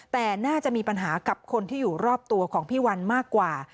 แต่น่าจะมีปัญหากับคนที่อยู่รอบตัวของพี่วันมากกว่า